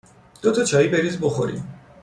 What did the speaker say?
دو تا چایی بریز بخوریم